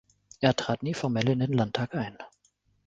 Er trat nie formell in den Landtag ein.